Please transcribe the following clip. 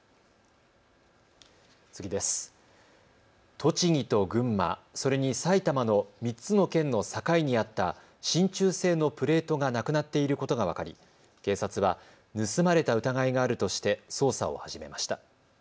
栃木と群馬、それに埼玉の３つの県の境にあった、しんちゅう製のプレートがなくなっていることが分かり警察は盗まれた疑いがあるとして捜査を始めました。